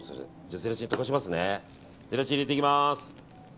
ゼラチン入れていきます！